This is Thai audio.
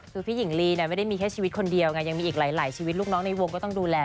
คือพี่หญิงลีเนี่ยไม่ได้มีแค่ชีวิตคนเดียวไงยังมีอีกหลายชีวิตลูกน้องในวงก็ต้องดูแล